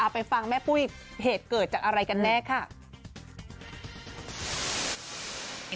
ไปฟังแม่ปุ้ยเหตุเกิดจากอะไรกันแน่ค่ะ